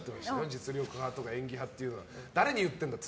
実力派とか演技派というのは誰に言ってるんだって。